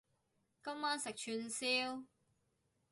今晚食串燒